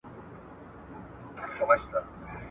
وېښته مي سپین دي په عمر زوړ یم ,